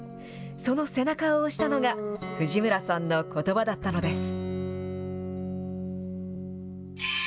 その背中を押したのが、藤村さんのことばだったのです。